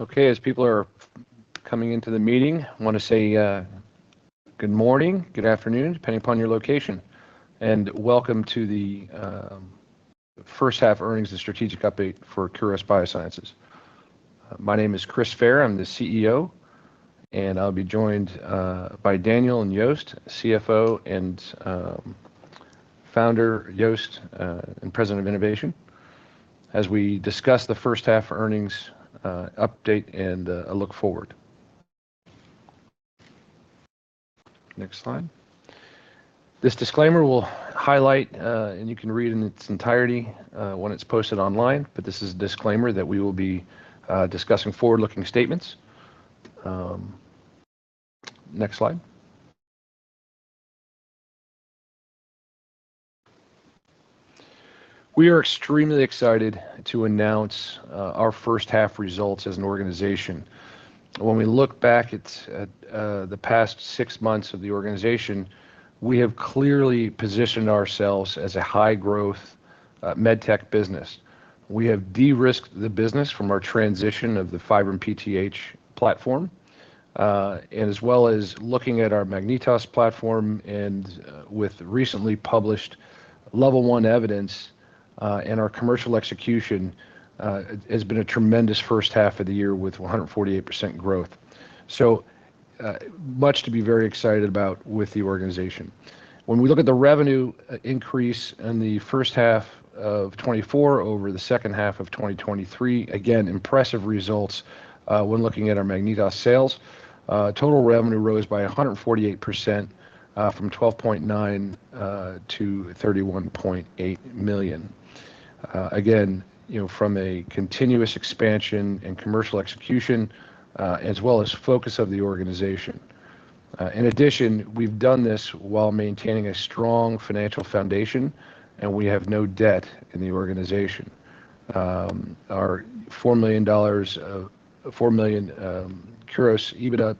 Okay, as people are coming into the meeting, I want to say good morning, good afternoon, depending upon your location, and welcome to the first half earnings and strategic update for Kuros Biosciences. My name is Chris Fair, I'm the CEO, and I'll be joined by Daniel and Joost, CFO and founder, Joost, and President of Innovation, as we discuss the first half earnings update and a look forward. Next slide. This disclaimer will highlight, and you can read in its entirety when it's posted online, but this is a disclaimer that we will be discussing forward-looking statements. Next slide. We are extremely excited to announce our first half results as an organization. When we look back at the past six months of the organization, we have clearly positioned ourselves as a high-growth med tech business. We have de-risked the business from our transition of the Fibrin-PTH platform, and as well as looking at our MagnetOs platform and, with recently published level I evidence, and our commercial execution, has been a tremendous first half of the year with 148% growth. So, much to be very excited about with the organization. When we look at the revenue increase in the first half of 2024 over the second half of 2023, again, impressive results, when looking at our MagnetOs sales. Total revenue rose by 148%, from 12.9 million to 31.8 million. Again, you know, from a continuous expansion and commercial execution, as well as focus of the organization. In addition, we've done this while maintaining a strong financial foundation, and we have no debt in the organization. Our $4 million of Kuros EBITDA,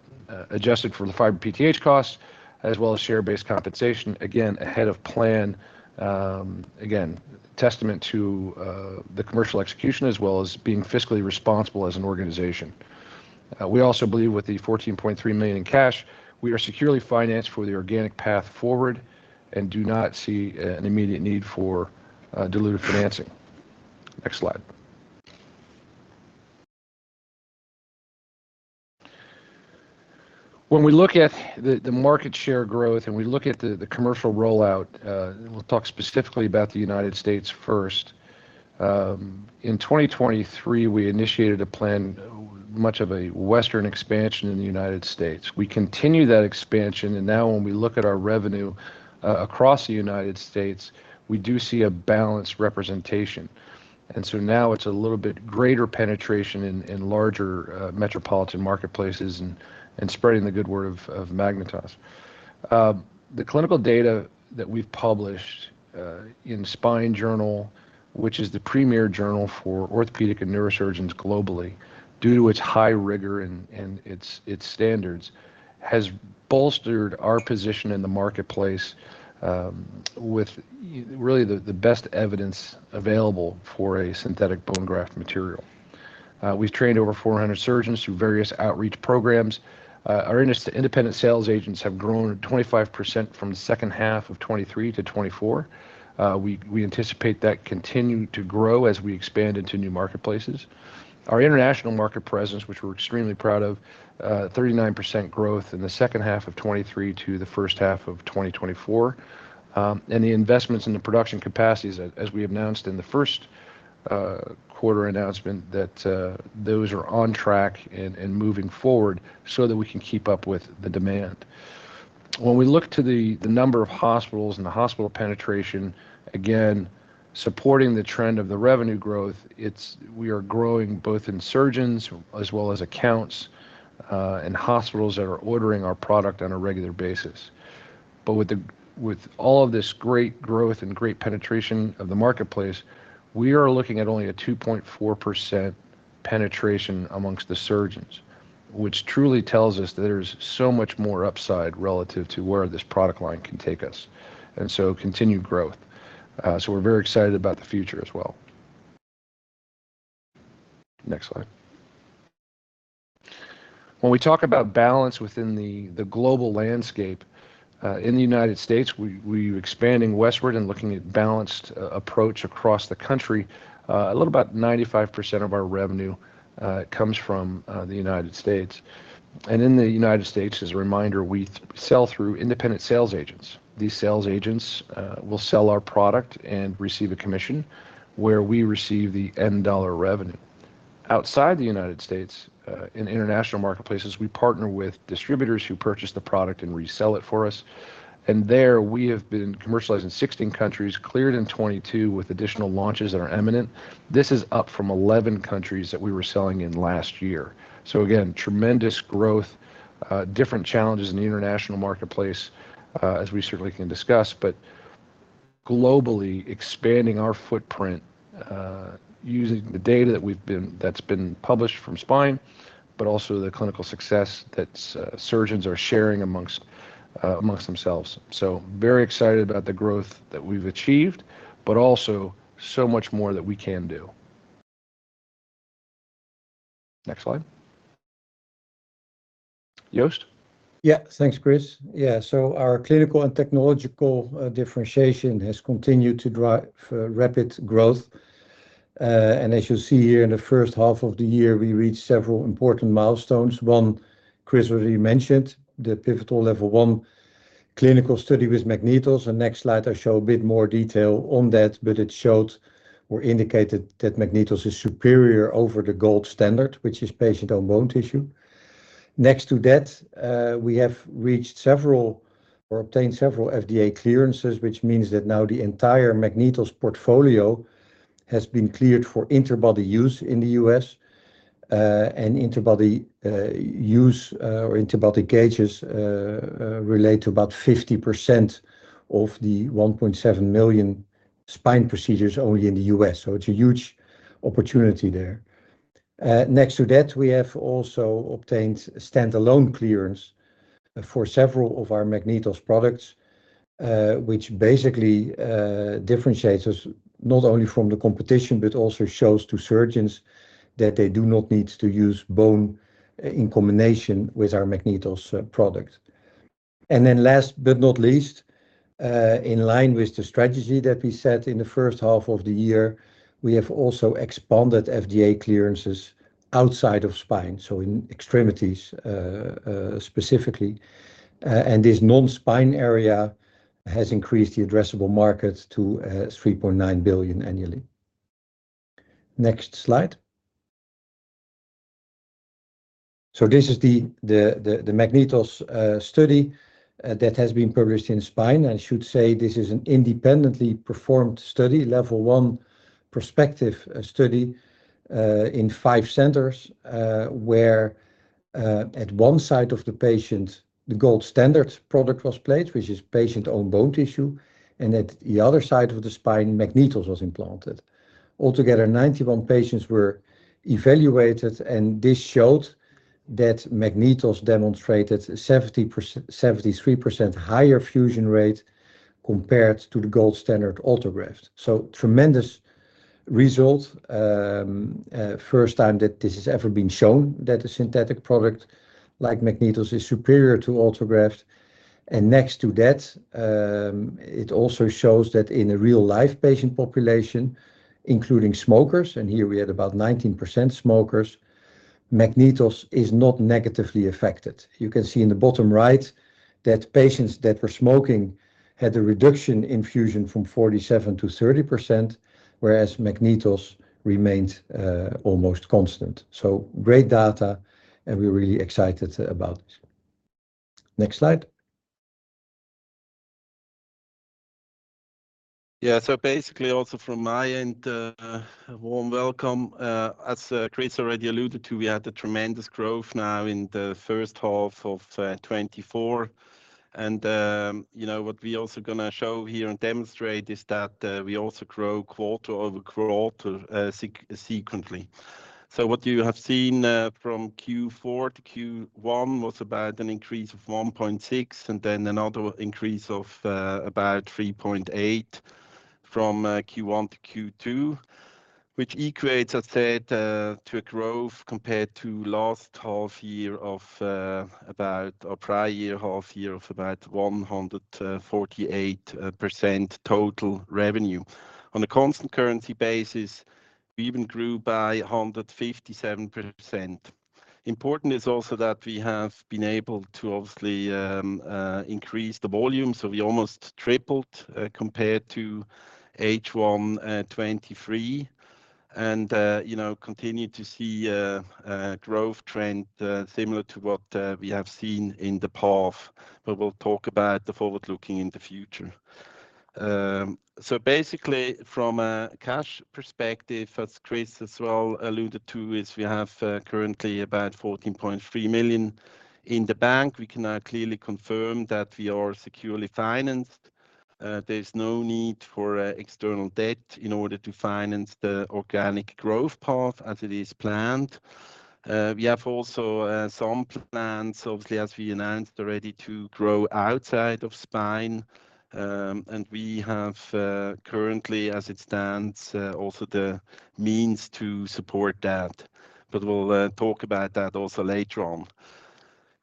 adjusted for the Fibrin-PTH costs, as well as share-based compensation, again, ahead of plan. Again, testament to the commercial execution, as well as being fiscally responsible as an organization. We also believe with the $14.3 million in cash, we are securely financed for the organic path forward and do not see an immediate need for diluted financing. Next slide. When we look at the market share growth, and we look at the commercial rollout, we'll talk specifically about the United States first. In 2023, we initiated a plan, much of a western expansion in the United States. We continue that expansion, and now when we look at our revenue, across the United States, we do see a balanced representation. And so now it's a little bit greater penetration in, in larger, metropolitan marketplaces and, and spreading the good word of, of MagnetOs. The clinical data that we've published, in The Spine Journal, which is the premier journal for orthopedic and neurosurgeons globally, due to its high rigor and, and its, its standards, has bolstered our position in the marketplace, with really the, the best evidence available for a synthetic bone graft material. We've trained over 400 surgeons through various outreach programs. Our independent sales agents have grown 25% from the second half of 2023 to 2024. We anticipate that continuing to grow as we expand into new marketplaces. Our international market presence, which we're extremely proud of, 39% growth in the second half of 2023 to the first half of 2024. The investments in the production capacities, as we announced in the first quarter announcement, those are on track and moving forward so that we can keep up with the demand. When we look to the number of hospitals and the hospital penetration, again, supporting the trend of the revenue growth, it's we are growing both in surgeons as well as accounts, and hospitals that are ordering our product on a regular basis. But with all of this great growth and great penetration of the marketplace, we are looking at only a 2.4% penetration amongst the surgeons, which truly tells us that there's so much more upside relative to where this product line can take us, and so continued growth. So we're very excited about the future as well. Next slide. When we talk about balance within the global landscape, in the United States, we're expanding westward and looking at balanced approach across the country. About 95% of our revenue comes from the United States. And in the United States, as a reminder, we sell through independent sales agents. These sales agents will sell our product and receive a commission, where we receive the end dollar revenue. Outside the United States, in international marketplaces, we partner with distributors who purchase the product and resell it for us. And there, we have been commercialized in 16 countries, cleared in 22, with additional launches that are imminent. This is up from 11 countries that we were selling in last year. So again, tremendous growth, different challenges in the international marketplace, as we certainly can discuss, but globally expanding our footprint, using the data that we've been-- that's been published from Spine, but also the clinical success that surgeons are sharing amongst themselves. So very excited about the growth that we've achieved, but also so much more that we can do. Next slide. Joost? Yeah, thanks, Chris. Yeah, so our clinical and technological differentiation has continued to drive rapid growth. As you'll see here, in the first half of the year, we reached several important milestones. One, Chris already mentioned, the pivotal Level 1 clinical study with MagnetOs. The next slide, I show a bit more detail on that, but it showed or indicated that MagnetOs is superior over the gold standard, which is patient's own bone tissue. Next to that, we have reached several or obtained several FDA clearances, which means that now the entire MagnetOs portfolio has been cleared for interbody use in the U.S. And interbody use or interbody cages relate to about 50% of the 1.7 million spine procedures only in the U.S., so it's a huge opportunity there. Next to that, we have also obtained standalone clearance for several of our MagnetOs products, which basically differentiates us not only from the competition, but also shows to surgeons that they do not need to use bone in combination with our MagnetOs product. And then last but not least, in line with the strategy that we set in the first half of the year, we have also expanded FDA clearances outside of spine, so in extremities specifically. And this non-spine area has increased the addressable markets to $3.9 billion annually. Next slide. So this is the MagnetOs study that has been published in Spine. I should say this is an independently performed study, Level I prospective study, in 5 centers, where at one site of the patient, the gold standard product was placed, which is patient's own bone tissue, and at the other site of the spine, MagnetOs was implanted. Altogether, 91 patients were evaluated, and this showed that MagnetOs demonstrated 73% higher fusion rate compared to the gold standard autograft. So tremendous result. First time that this has ever been shown that a synthetic product like MagnetOs is superior to autograft. And next to that, it also shows that in a real-life patient population, including smokers, and here we had about 19% smokers, MagnetOs is not negatively affected. You can see in the bottom right that patients that were smoking had a reduction in fusion from 47% to 30%, whereas MagnetOs remained almost constant. So great data, and we're really excited about it. Next slide. Yeah. So basically, also from my end, a warm welcome. As Chris already alluded to, we had a tremendous growth now in the first half of 2024. And, you know, what we also gonna show here and demonstrate is that, we also grow quarter-over-quarter, sequentially. So what you have seen, from Q4 to Q1 was about an increase of 1.6, and then another increase of, about 3.8 from, Q1 to Q2, which equates, I said, to a growth compared to last half year of, about... or prior year, half year of about 148% total revenue. On a constant currency basis, we even grew by 157%. Important is also that we have been able to obviously increase the volume, so we almost tripled compared to H1 2023, and you know continue to see a growth trend similar to what we have seen in the path, but we'll talk about the forward-looking in the future. So basically, from a cash perspective, as Chris as well alluded to, is we have currently about 14.3 million in the bank. We can now clearly confirm that we are securely financed. There's no need for external debt in order to finance the organic growth path as it is planned. We have also some plans, obviously, as we announced, ready to grow outside of spine. And we have currently, as it stands, also the means to support that, but we'll talk about that also later on.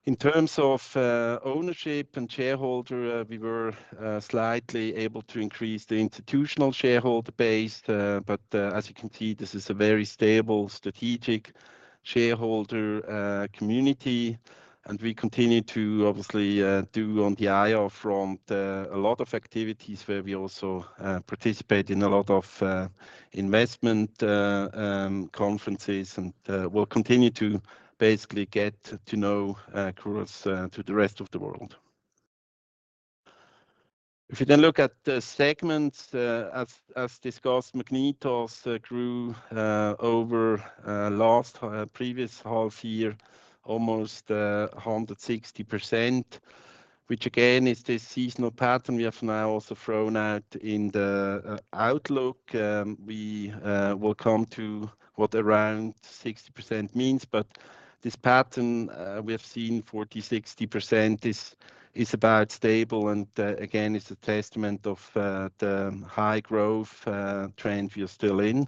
In terms of ownership and shareholder, we were slightly able to increase the institutional shareholder base, but as you can see, this is a very stable, strategic shareholder community, and we continue to obviously do on the IR front a lot of activities where we also participate in a lot of investment conferences, and we'll continue to basically get to know across to the rest of the world. If you then look at the segments, as discussed, MagnetOs grew over last previous half year, almost 160%, which again, is this seasonal pattern we have now also thrown out in the outlook. We will come to what around 60% means. This pattern we have seen 40%-60% is about stable, and again, it's a testament of the high-growth trend we are still in.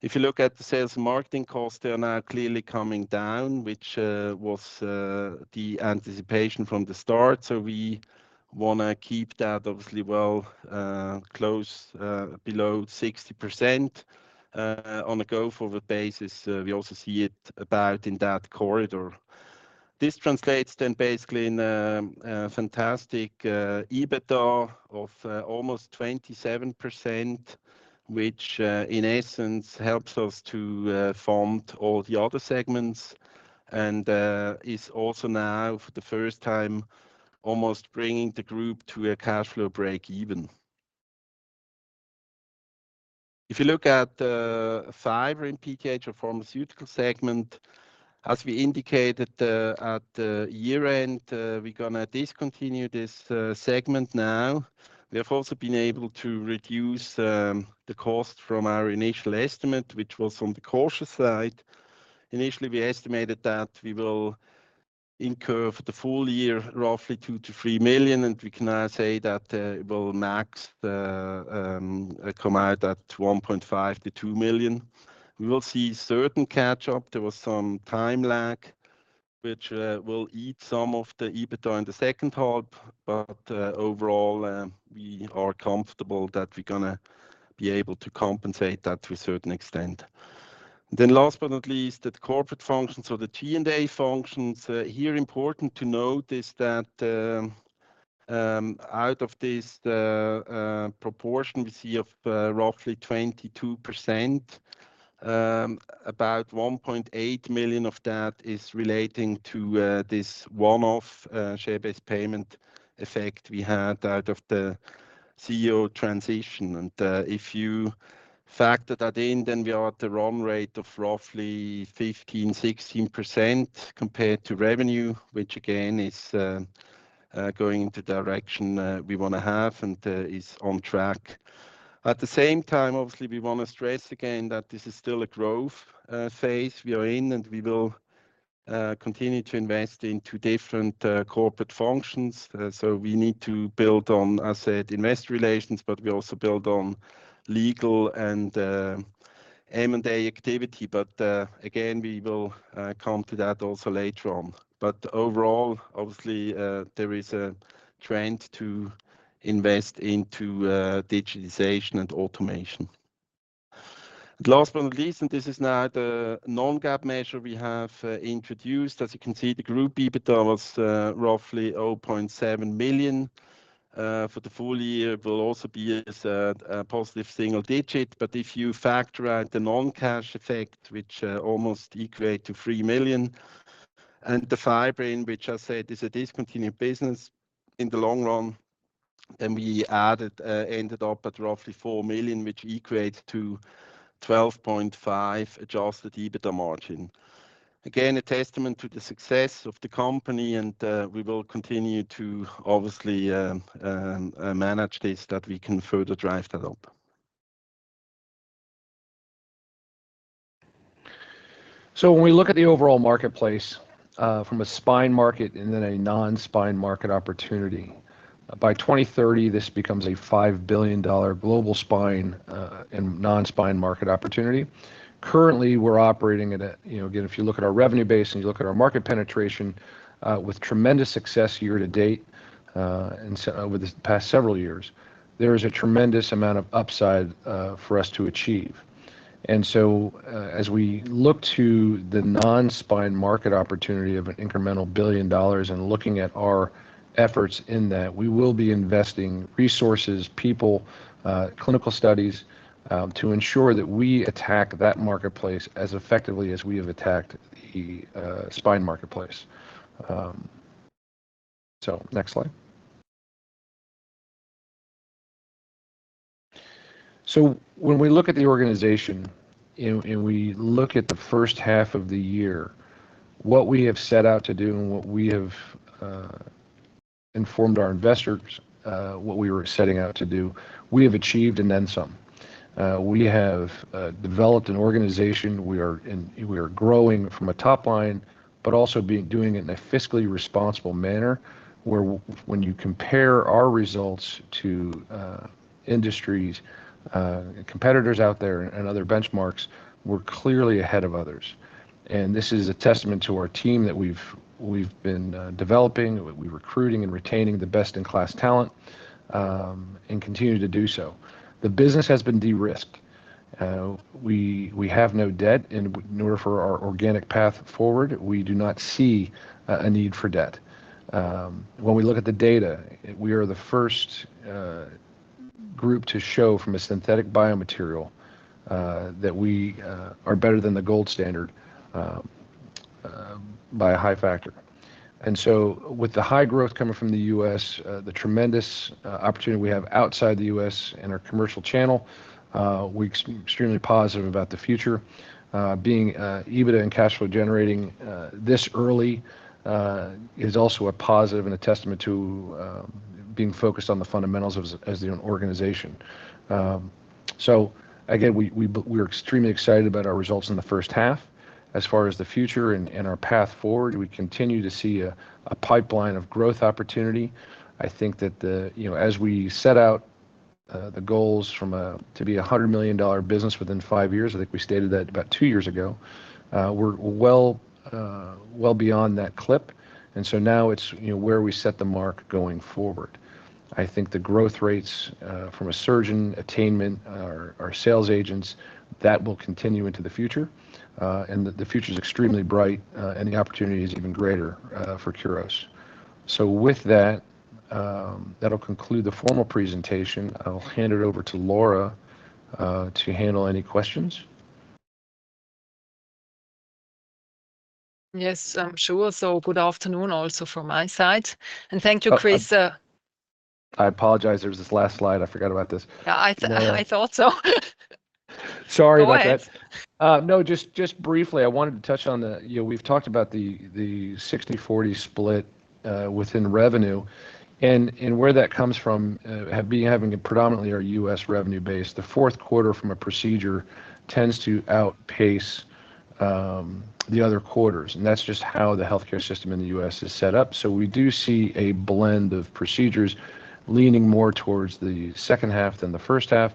If you look at the sales and marketing costs, they are now clearly coming down, which was the anticipation from the start. So we wanna keep that obviously well close below 60%. On a go-forward basis, we also see it about in that corridor. This translates then basically in a fantastic EBITDA of almost 27%, which in essence helps us to fund all the other segments and is also now, for the first time, almost bringing the group to a cash flow break-even. If you look at Fibrin-PTH or pharmaceutical segment, as we indicated at the year-end, we're gonna discontinue this segment now. We have also been able to reduce the cost from our initial estimate, which was on the cautious side. Initially, we estimated that we will incur for the full year, roughly 2 million-3 million, and we can now say that it will max come out at 1.5 million-2 million. We will see certain catch-up. There was some time lag, which will eat some of the EBITDA in the second half. But, overall, we are comfortable that we're gonna be able to compensate that to a certain extent. Then last but not least, the corporate functions or the G&A functions. Here, important to note is that, out of this proportion we see of roughly 22%, about 1.8 million of that is relating to this one-off share-based payment effect we had out of the CEO transition. And, if you factor that in, then we are at the run rate of roughly 15-16% compared to revenue, which again is going in the direction we wanna have and is on track. At the same time, obviously, we wanna stress again that this is still a growth phase we are in, and we will continue to invest into different corporate functions. So we need to build on investor relations, but we also build on legal and M&A activity. But, again, we will come to that also later on. But overall, obviously, there is a trend to invest into digitization and automation. Last but not least, and this is now the non-GAAP measure we have introduced. As you can see, the group EBITDA was roughly 0.7 million. For the full year, it will also be a positive single digit. But if you factor out the non-cash effect, which almost equate to 3 million, and the fibrin, which I said is a discontinued business in the long run, then we added, ended up at roughly 4 million, which equates to 12.5% adjusted EBITDA margin. Again, a testament to the success of the company, and we will continue to obviously manage this, that we can further drive that up. So when we look at the overall marketplace, from a spine market and then a non-spine market opportunity, by 2030, this becomes a $5 billion global spine and non-spine market opportunity. Currently, we're operating at, you know, again, if you look at our revenue base, and you look at our market penetration, with tremendous success year to date, and so over the past several years, there is a tremendous amount of upside for us to achieve. And so, as we look to the non-spine market opportunity of an incremental $1 billion and looking at our efforts in that, we will be investing resources, people, clinical studies, to ensure that we attack that marketplace as effectively as we have attacked the spine marketplace. So next slide. So when we look at the organization and we look at the first half of the year, what we have set out to do and what we have informed our investors, what we were setting out to do, we have achieved and then some. We have developed an organization. We are growing from a top line, but also doing it in a fiscally responsible manner, where when you compare our results to industries, competitors out there and other benchmarks, we're clearly ahead of others. And this is a testament to our team that we've been developing. We're recruiting and retaining the best-in-class talent, and continue to do so. The business has been de-risked. We have no debt, and nor for our organic path forward, we do not see a need for debt. When we look at the data, we are the first group to show from a synthetic biomaterial that we are better than the gold standard by a high factor. And so with the high growth coming from the U.S., the tremendous opportunity we have outside the U.S. and our commercial channel, we're extremely positive about the future. Being EBITDA and cash flow generating this early is also a positive and a testament to being focused on the fundamentals as an organization. So again, we're extremely excited about our results in the first half. As far as the future and our path forward, we continue to see a pipeline of growth opportunity. I think that the, you know, as we set out, the goals from to be a $100 million business within 5 years, I think we stated that about 2 years ago, we're well beyond that clip, and so now it's, you know, where we set the mark going forward. I think the growth rates from a surgeon attainment, our sales agents, that will continue into the future, and the future's extremely bright, and the opportunity is even greater for Kuros. So with that, that'll conclude the formal presentation. I'll hand it over to Laura to handle any questions. Yes, sure. Good afternoon also from my side, and thank you, Chris. I apologize, there was this last slide. I forgot about this. Yeah, I th- Yeah... I thought so. Sorry about that. Go ahead. No, just briefly, I wanted to touch on the—you know, we've talked about the 60/40 split within revenue and where that comes from, having a predominantly our U.S. revenue base. The fourth quarter from a procedure tends to outpace the other quarters, and that's just how the healthcare system in the U.S. is set up. So we do see a blend of procedures leaning more towards the second half than the first half.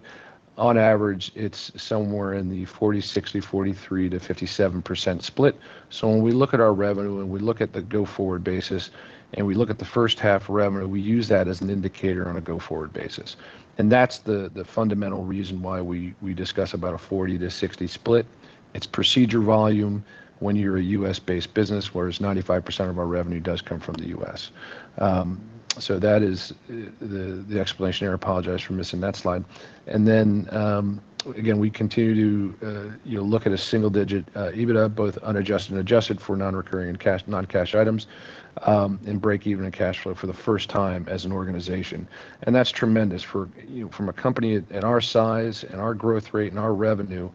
On average, it's somewhere in the 40, 60, 43%-57% split. So when we look at our revenue, and we look at the go-forward basis, and we look at the first half revenue, we use that as an indicator on a go-forward basis. And that's the fundamental reason why we discuss about a 40-60 split. It's procedure volume when you're a U.S.-based business, whereas 95% of our revenue does come from the U.S. So that is the explanation. I apologize for missing that slide. And then, again, we continue to, you know, look at a single-digit EBITDA, both unadjusted and adjusted for non-recurring and cash, non-cash items, and break even in cash flow for the first time as an organization. And that's tremendous for, you know, from a company at our size and our growth rate and our revenue,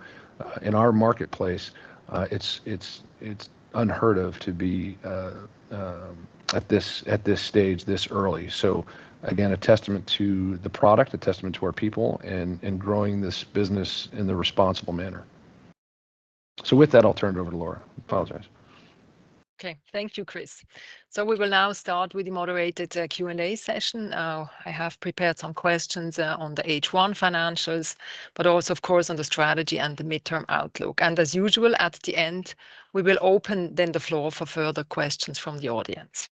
in our marketplace, it's unheard of to be at this stage this early. So again, a testament to the product, a testament to our people, and growing this business in the responsible manner. So with that, I'll turn it over to Laura. Apologize. Okay. Thank you, Chris. So we will now start with the moderated Q&A session. I have prepared some questions on the H1 financials, but also, of course, on the strategy and the midterm outlook. And as usual, at the end, we will open then the floor for further questions from the audience.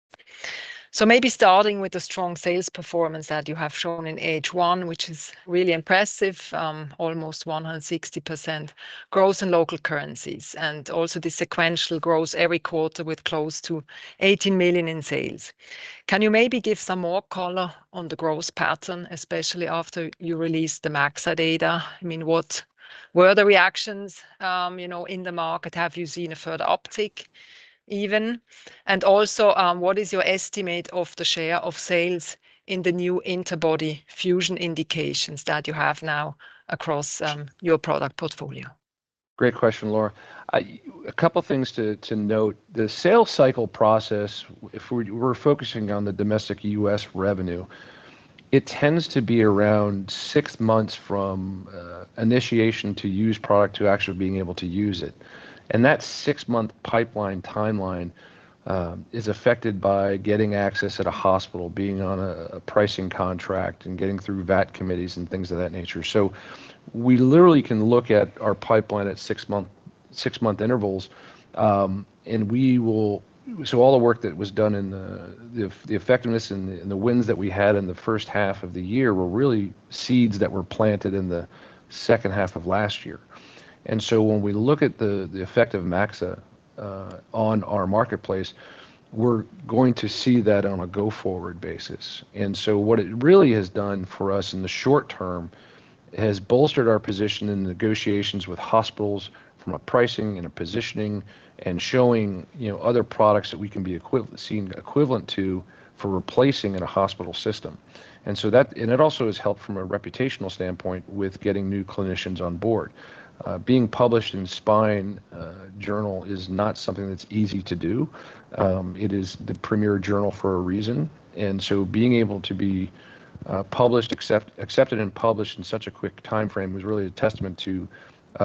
So maybe starting with the strong sales performance that you have shown in H1, which is really impressive, almost 160% growth in local currencies, and also the sequential growth every quarter with close to 18 million in sales. Can you maybe give some more color on the growth pattern, especially after you released the MAXA data? I mean, what were the reactions, you know, in the market? Have you seen a further uptick even? Also, what is your estimate of the share of sales in the new interbody fusion indications that you have now across your product portfolio? Great question, Laura. A couple things to note. The sales cycle process, if we're focusing on the domestic U.S. revenue, it tends to be around six months from initiation to use product to actually being able to use it. And that six-month pipeline timeline is affected by getting access at a hospital, being on a pricing contract, and getting through VAT committees and things of that nature. So we literally can look at our pipeline at six-month intervals. So all the work that was done in the effectiveness and the wins that we had in the first half of the year were really seeds that were planted in the second half of last year. When we look at the effect of MAXA on our marketplace, we're going to see that on a go-forward basis. And so what it really has done for us in the short term has bolstered our position in negotiations with hospitals from a pricing and a positioning and showing, you know, other products that we can be equivalent, seen equivalent to for replacing in a hospital system. And so that and it also has helped from a reputational standpoint with getting new clinicians on board. Being published in Spine Journal is not something that's easy to do. It is the premier journal for a reason, and so being able to be published, accepted and published in such a quick timeframe is really a testament to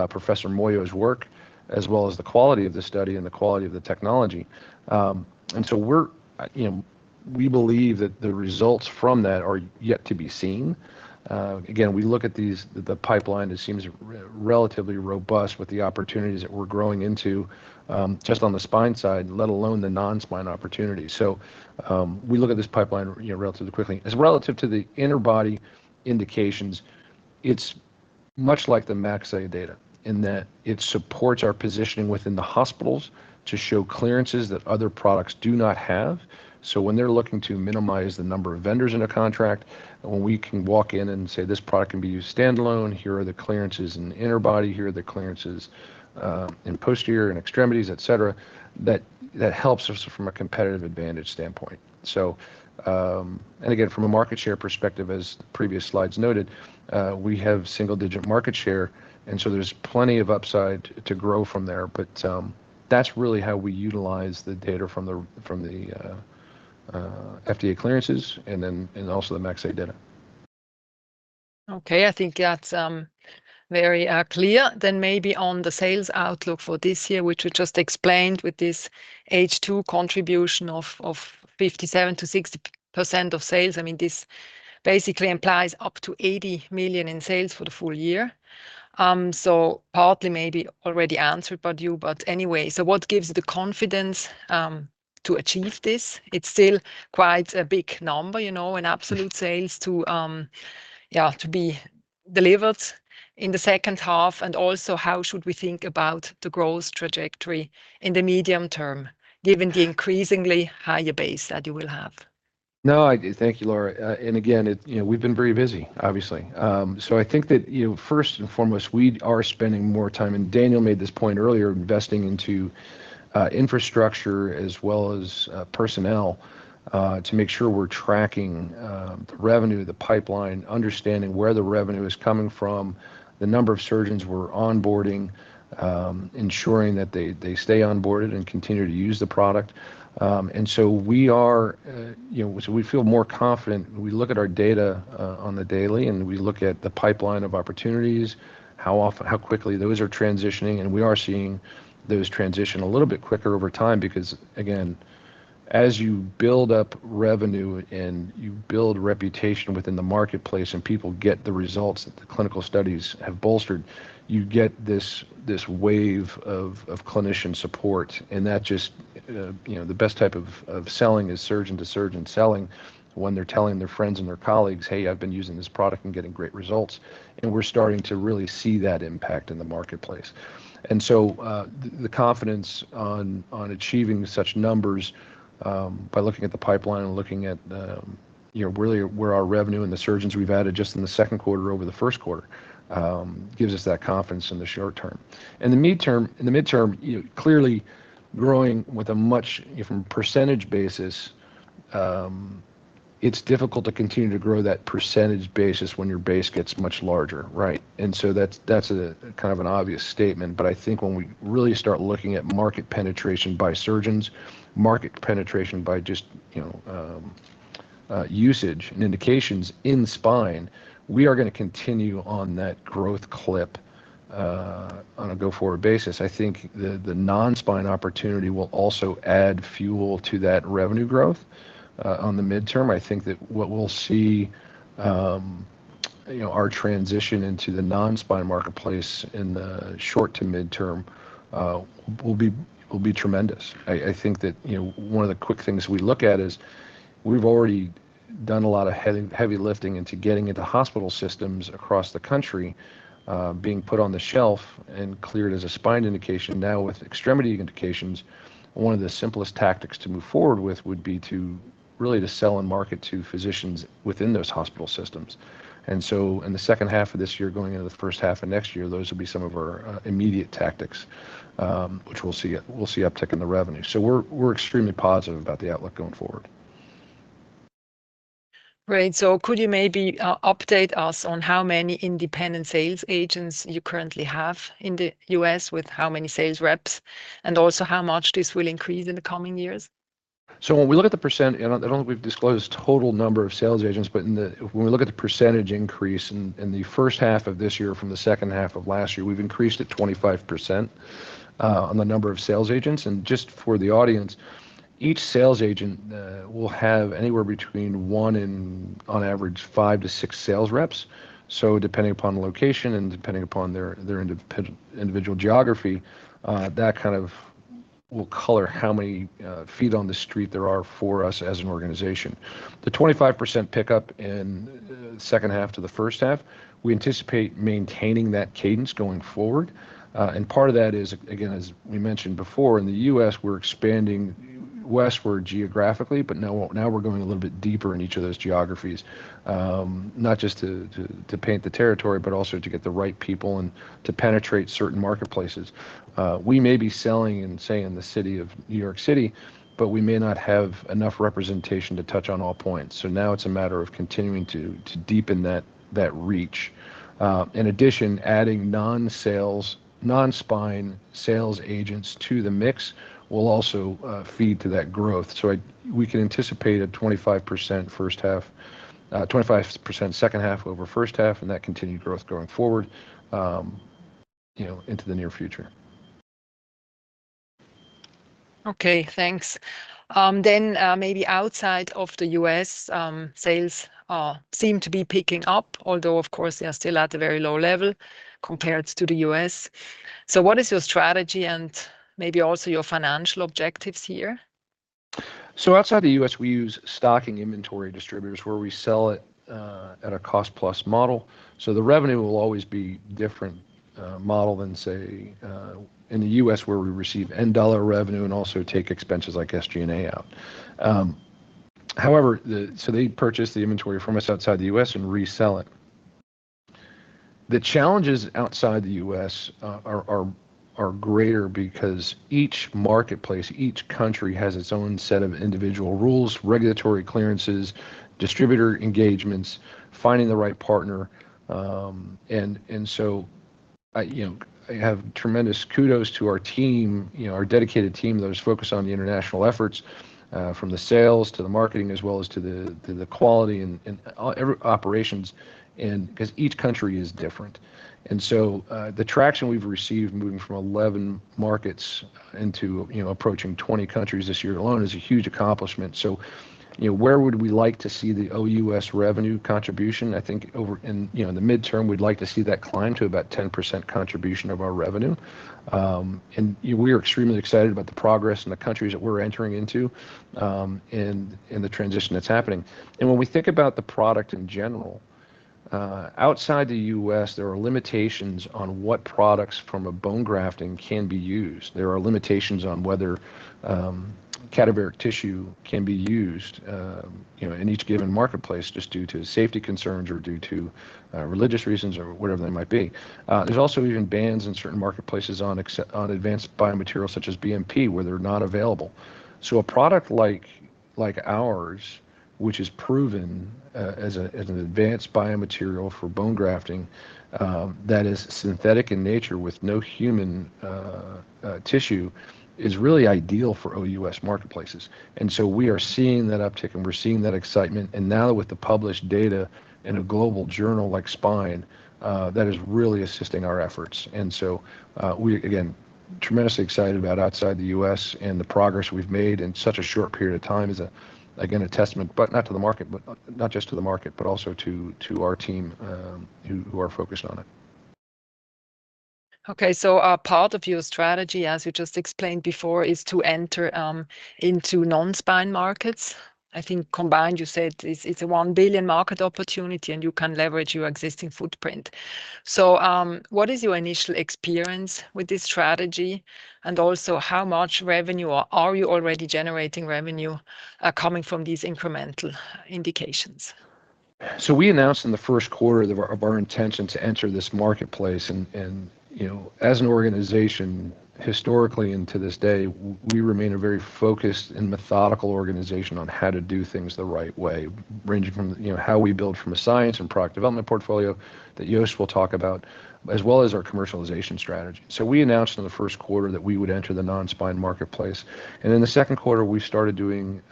Professor Moyo's work, as well as the quality of the study and the quality of the technology. And so we're, you know, we believe that the results from that are yet to be seen. Again, we look at the pipeline, it seems relatively robust with the opportunities that we're growing into, just on the spine side, let alone the non-spine opportunities. So, we look at this pipeline, you know, relatively quickly. As relative to the interbody indications, it's much like the MAXA data in that it supports our positioning within the hospitals to show clearances that other products do not have. So when they're looking to minimize the number of vendors in a contract, when we can walk in and say: "This product can be used standalone, here are the clearances in the interbody, here are the clearances in posterior, in extremities," et cetera, that helps us from a competitive advantage standpoint. So, and again, from a market share perspective, as the previous slides noted, we have single-digit market share, and so there's plenty of upside to grow from there, but that's really how we utilize the data from the FDA clearances and then, and also the MAXA data. Okay, I think that's very clear. Then maybe on the sales outlook for this year, which you just explained with this H2 contribution of fifty-seven to sixty percent of sales. I mean, this basically implies up to 80 million in sales for the full year. So partly maybe already answered by you, but anyway, so what gives the confidence to achieve this? It's still quite a big number, you know, in absolute sales to, yeah, to be delivered in the second half. And also, how should we think about the growth trajectory in the medium term, given the increasingly higher base that you will have? No, thank you, Laura. And again, it... You know, we've been very busy, obviously. So I think that, you know, first and foremost, we are spending more time, and Daniel made this point earlier, investing into infrastructure as well as personnel to make sure we're tracking the revenue, the pipeline, understanding where the revenue is coming from, the number of surgeons we're onboarding, ensuring that they stay onboarded and continue to use the product. And so we are, you know, so we feel more confident when we look at our data on the daily, and we look at the pipeline of opportunities, how quickly those are transitioning. And we are seeing those transition a little bit quicker over time, because, again, as you build up revenue and you build reputation within the marketplace, and people get the results that the clinical studies have bolstered, you get this wave of clinician support, and that just, You know, the best type of selling is surgeon-to-surgeon selling, when they're telling their friends and their colleagues, "Hey, I've been using this product and getting great results." And we're starting to really see that impact in the marketplace. And so, the confidence on achieving such numbers, by looking at the pipeline and looking at the, you know, where our revenue and the surgeons we've added just in the second quarter over the first quarter, gives us that confidence in the short term. In the midterm, you know, clearly growing with a much, from percentage basis, it's difficult to continue to grow that percentage basis when your base gets much larger, right? So that's kind of an obvious statement, but I think when we really start looking at market penetration by surgeons, market penetration by just, you know, usage and indications in spine, we are gonna continue on that growth clip on a go-forward basis. I think the non-spine opportunity will also add fuel to that revenue growth. On the midterm, I think that what we'll see, you know, our transition into the non-spine marketplace in the short to midterm will be tremendous. I think that, you know, one of the quick things we look at is we've already done a lot of heavy lifting into getting into hospital systems across the country, being put on the shelf and cleared as a spine indication. Now, with extremity indications, one of the simplest tactics to move forward with would be to really sell and market to physicians within those hospital systems. And so in the second half of this year, going into the first half of next year, those will be some of our immediate tactics, which we'll see uptick in the revenue. So we're extremely positive about the outlook going forward. Great. So could you maybe update us on how many independent sales agents you currently have in the U.S., with how many sales reps, and also how much this will increase in the coming years? So when we look at the percent, and I don't think we've disclosed total number of sales agents, but in the When we look at the percentage increase in the first half of this year from the second half of last year, we've increased it 25% on the number of sales agents. And just for the audience, each sales agent will have anywhere between 1 and, on average, 5 to 6 sales reps. So depending upon the location and depending upon their individual geography, that kind of will color how many feet on the street there are for us as an organization. The 25% pickup in the second half to the first half, we anticipate maintaining that cadence going forward. And part of that is, again, as we mentioned before, in the U.S., we're expanding westward geographically, but now, now we're going a little bit deeper in each of those geographies, not just to, to, to paint the territory, but also to get the right people and to penetrate certain marketplaces. We may be selling in, say, in the city of New York City, but we may not have enough representation to touch on all points, so now it's a matter of continuing to, to deepen that, that reach. In addition, adding non-spine sales agents to the mix will also feed to that growth. So we can anticipate a 25% first half, 25% second half over first half, and that continued growth going forward, you know, into the near future. Okay, thanks. Then, maybe outside of the U.S., sales seem to be picking up, although of course, they are still at a very low level compared to the U.S. So what is your strategy and maybe also your financial objectives here? Outside the U.S., we use stocking inventory distributors, where we sell it at a cost-plus model. The revenue will always be different model than, say, in the U.S., where we receive end-dollar revenue and also take expenses like SG&A out. However, they purchase the inventory from us outside the U.S. and resell it. The challenges outside the U.S. are greater because each marketplace, each country, has its own set of individual rules, regulatory clearances, distributor engagements, finding the right partner, and you know, I have tremendous kudos to our team, you know, our dedicated team that is focused on the international efforts, from the sales to the marketing, as well as to the quality and every operations, and because each country is different. So, the traction we've received moving from 11 markets into, you know, approaching 20 countries this year alone is a huge accomplishment. So, you know, where would we like to see the OUS revenue contribution? I think over in, you know, in the midterm, we'd like to see that climb to about 10% contribution of our revenue. And we are extremely excited about the progress in the countries that we're entering into, and in the transition that's happening. And when we think about the product in general, outside the U.S., there are limitations on what products from a bone grafting can be used. There are limitations on whether cadaveric tissue can be used, you know, in each given marketplace, just due to safety concerns or due to religious reasons or whatever they might be. There's also even bans in certain marketplaces on advanced biomaterials such as BMP, where they're not available. So a product like ours, which is proven, as an advanced biomaterial for bone grafting, that is synthetic in nature with no human tissue, is really ideal for OUS marketplaces. And so we are seeing that uptick, and we're seeing that excitement, and now with the published data in a global journal like Spine, that is really assisting our efforts. And so, again, tremendously excited about outside the US and the progress we've made in such a short period of time is, again, a testament, but not to the market, but not just to the market, but also to our team, who are focused on it. Okay, so a part of your strategy, as you just explained before, is to enter into non-spine markets. I think combined, you said it's a $1 billion market opportunity, and you can leverage your existing footprint. So, what is your initial experience with this strategy? And also, how much revenue, or are you already generating revenue, coming from these incremental indications? So we announced in the first quarter our intention to enter this marketplace, and you know, as an organization, historically and to this day, we remain a very focused and methodical organization on how to do things the right way, ranging from, you know, how we build from a science and product development portfolio that Joost will talk about, as well as our commercialization strategy. So we announced in the first quarter that we would enter the non-spine marketplace, and in the second quarter, we started doing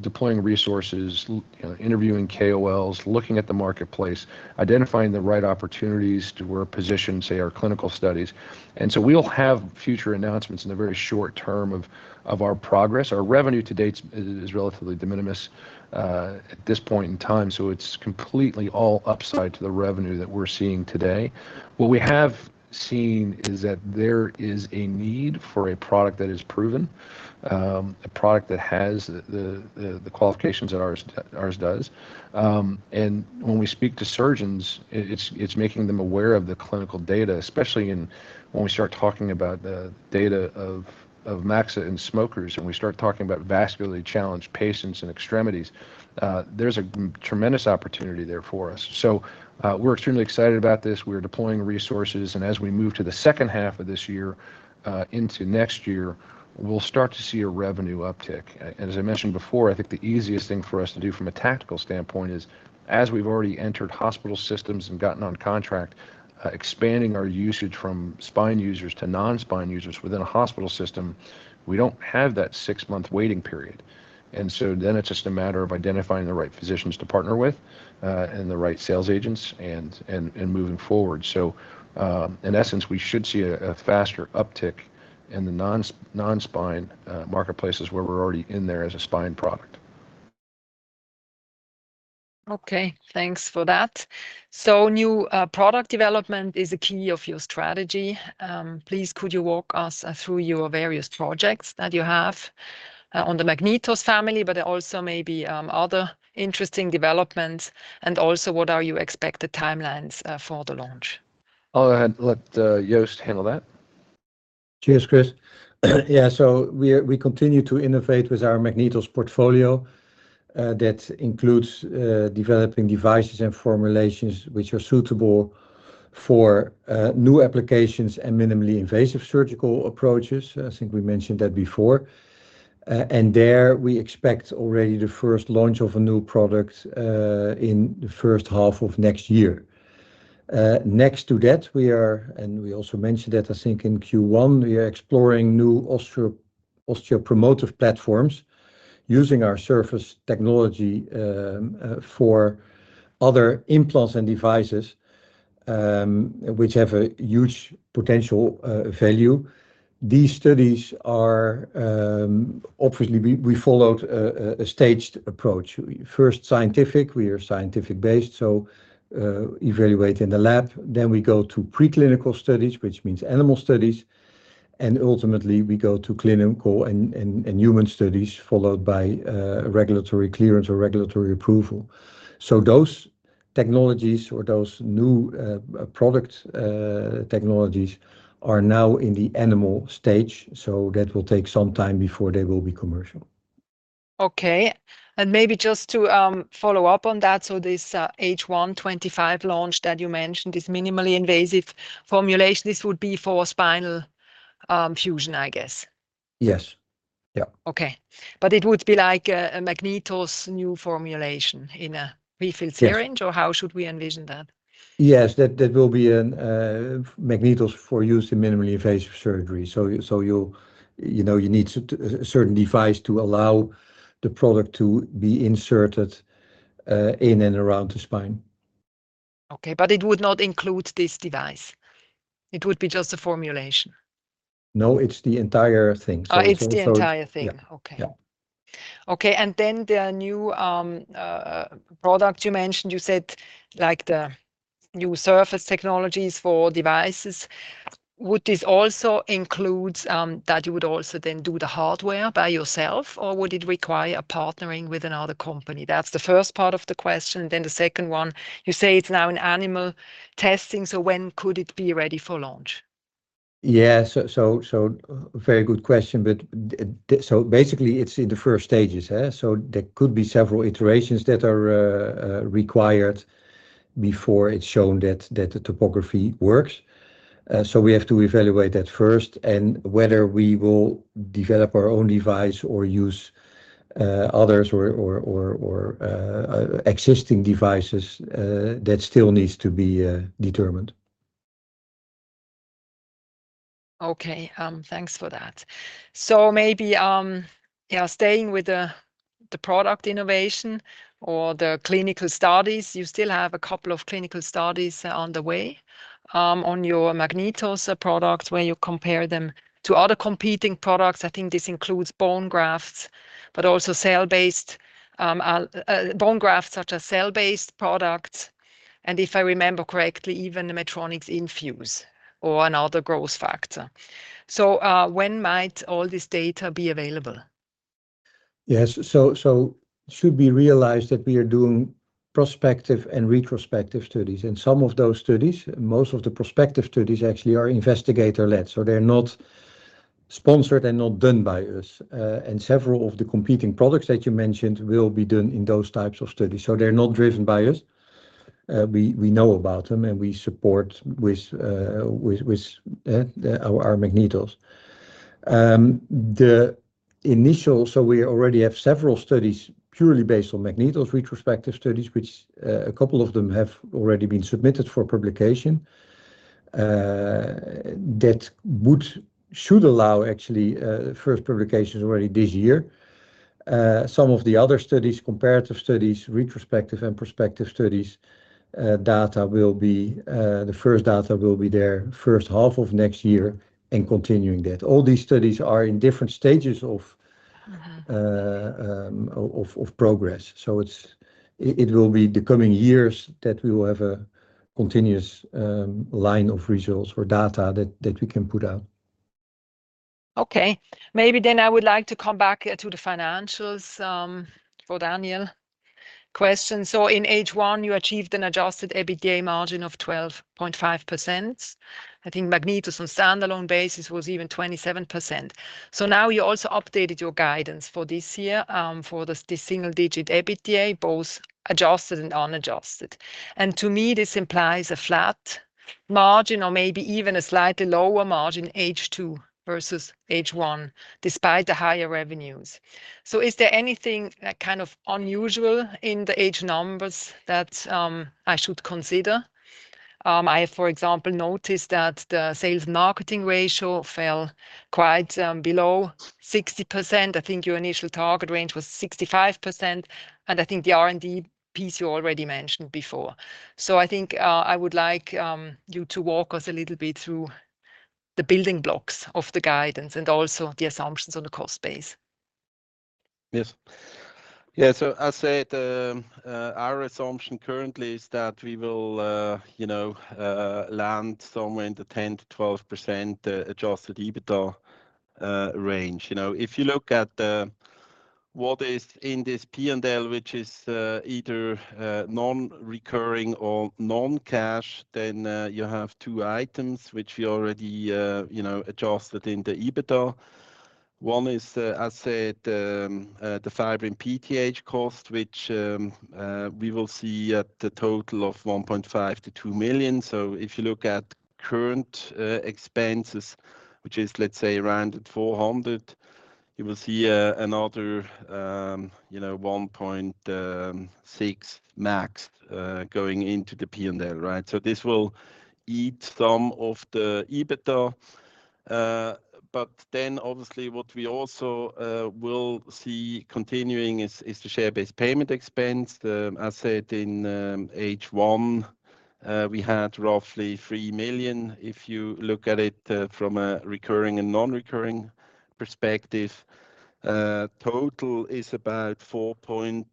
deploying resources, you know, interviewing KOLs, looking at the marketplace, identifying the right opportunities to where a position, say, our clinical studies. And so we'll have future announcements in the very short term of our progress. Our revenue to date is relatively de minimis at this point in time, so it's completely all upside to the revenue that we're seeing today. What we have seen is that there is a need for a product that is proven, a product that has the qualifications that ours does. And when we speak to surgeons, it's making them aware of the clinical data, especially in when we start talking about the data of MAXA in smokers, and we start talking about vascularly challenged patients and extremities, there's a tremendous opportunity there for us. So, we're extremely excited about this. We're deploying resources, and as we move to the second half of this year, into next year, we'll start to see a revenue uptick. And as I mentioned before, I think the easiest thing for us to do from a tactical standpoint is, as we've already entered hospital systems and gotten on contract, expanding our usage from spine users to non-spine users within a hospital system, we don't have that six-month waiting period. And so then it's just a matter of identifying the right physicians to partner with, and the right sales agents and moving forward. So, in essence, we should see a faster uptick in the non-spine marketplaces, where we're already in there as a spine product. Okay, thanks for that. So new product development is a key of your strategy. Please, could you walk us through your various projects that you have on the MagnetOs family, but also maybe other interesting developments, and also, what are your expected timelines for the launch? I'll go ahead and let Joost handle that. Cheers, Chris. Yeah, so we continue to innovate with our MagnetOs portfolio, that includes developing devices and formulations which are suitable for new applications and minimally invasive surgical approaches. I think we mentioned that before. And there we expect already the first launch of a new product in the first half of next year. Next to that, we are, and we also mentioned that, I think in Q1, we are exploring new osteopromotive platforms using our surface technology for other implants and devices, which have a huge potential value. These studies are obviously we followed a staged approach. First, scientific, we are scientific-based, so, evaluate in the lab, then we go to preclinical studies, which means animal studies, and ultimately, we go to clinical and human studies, followed by, regulatory clearance or regulatory approval. So those technologies or those new, product, technologies are now in the animal stage, so that will take some time before they will be commercial. Okay, and maybe just to follow up on that, so this H1 '25 launch that you mentioned, this minimally invasive formulation, this would be for spinal fusion, I guess? Yes. Yeah. Okay, but it would be like a MagnetOs new formulation in a prefilled syringe- Yes. or how should we envision that? Yes, that will be a MagnetOs for use in minimally invasive surgery. So you know, you need a certain device to allow the product to be inserted in and around the spine. Okay, but it would not include this device? It would be just a formulation. No, it's the entire thing. So, so- Oh, it's the entire thing. Yeah. Okay. Yeah. Okay, and then the new product you mentioned, you said like the new surface technologies for devices. Would this also includes that you would also then do the hardware by yourself, or would it require a partnering with another company? That's the first part of the question. Then the second one, you say it's now in animal testing, so when could it be ready for launch? Yeah. So very good question, but so basically, it's in the first stages, eh? So there could be several iterations that are required before it's shown that the topography works. So we have to evaluate that first, and whether we will develop our own device or use others or existing devices that still needs to be determined. Okay. Thanks for that. So maybe, yeah, staying with the product innovation or the clinical studies, you still have a couple of clinical studies on the way, on your MagnetOs products, where you compare them to other competing products. I think this includes bone grafts, but also cell-based bone grafts, such as cell-based products, and if I remember correctly, even the Medtronic's Infuse or another growth factor. So, when might all this data be available? Yes. So should we realize that we are doing prospective and retrospective studies, and some of those studies, most of the prospective studies actually are investigator led, so they're not sponsored and not done by us. And several of the competing products that you mentioned will be done in those types of studies, so they're not driven by us. We know about them, and we support with our MagnetOs. So we already have several studies purely based on MagnetOs, retrospective studies, which a couple of them have already been submitted for publication. That should allow actually first publications already this year. Some of the other studies, comparative studies, retrospective and prospective studies, the first data will be there first half of next year and continuing that. All these studies are in different stages of... Mm-hmm... of progress. So it will be the coming years that we will have a continuous line of results or data that we can put out. Okay. Maybe then I would like to come back to the financials for Daniel. Question: so in H1, you achieved an adjusted EBITDA margin of 12.5%. I think MagnetOs on standalone basis was even 27%. So now you also updated your guidance for this year for the single-digit EBITDA, both adjusted and unadjusted. And to me, this implies a flat margin or maybe even a slightly lower margin, H2 versus H1, despite the higher revenues. So is there anything kind of unusual in the H1 numbers that I should consider? For example, I noticed that the sales marketing ratio fell quite below 60%. I think your initial target range was 65%, and I think the R&D piece you already mentioned before. I think I would like you to walk us a little bit through the building blocks of the guidance and also the assumptions on the cost base. Yes. Yeah, so as said, our assumption currently is that we will, you know, land somewhere in the 10%-12% adjusted EBITDA range. You know, if you look at what is in this P&L, which is either non-recurring or non-cash, then you have two items which we already, you know, adjusted in the EBITDA. One is the, as said, the Fibrin-PTH cost, which we will see at a total of 1.5-2 million. So if you look at current expenses, which is, let's say, around 400, you will see another, you know, 1.6 max going into the P&L, right? So this will eat some of the EBITDA, but then obviously, what we also will see continuing is the share-based payment expense. As said in H1, we had roughly 3 million. If you look at it from a recurring and non-recurring perspective, total is about 4.5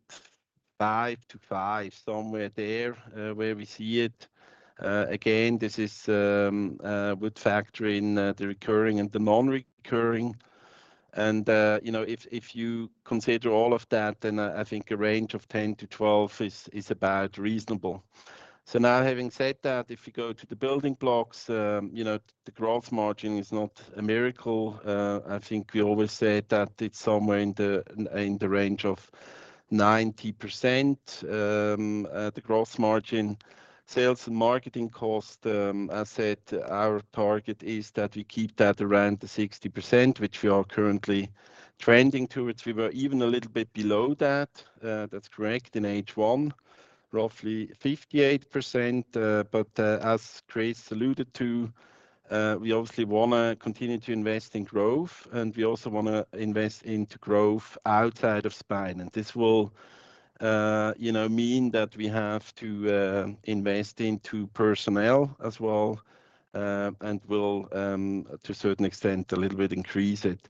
million-5 million, somewhere there, where we see it. Again, this would factor in the recurring and the non-recurring. And you know, if you consider all of that, then I think a range of 10 million-12 million is about reasonable. So now, having said that, if you go to the building blocks, you know, the growth margin is not a miracle. I think we always said that it's somewhere in the range of 90% at the gross margin. Sales and marketing cost, I said our target is that we keep that around the 60%, which we are currently trending towards. We were even a little bit below that, that's correct, in H1, roughly 58%. But, as Chris alluded to, we obviously wanna continue to invest in growth, and we also wanna invest into growth outside of Spine. And this will, you know, mean that we have to, invest into personnel as well, and will, to a certain extent, a little bit increase it.